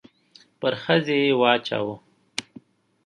پر ښځې يې واچاوه.